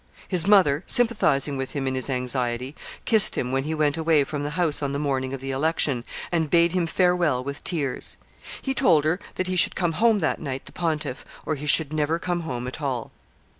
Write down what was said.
His mother, sympathizing with him in his anxiety, kissed him when he went away from the house on the morning of the election, and bade hem farewell with tears. He told her that he should come home that night the pontiff, or he should never come home at all.